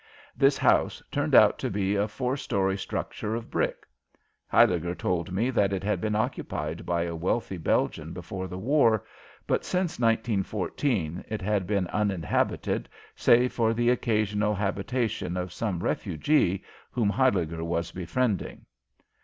This house turned out to be a four story structure of brick. Huyliger told me that it had been occupied by a wealthy Belgian before the war, but since 1914 it had been uninhabited save for the occasional habitation of some refugee whom Huyliger was befriending.